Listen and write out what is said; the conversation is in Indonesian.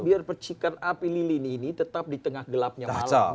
biar percikan api lilin ini tetap di tengah gelapnya malam